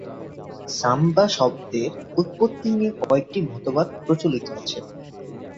সাম্বা শব্দের উৎপত্তি নিয়ে কয়েকটি মতবাদ প্রচলিত আছে।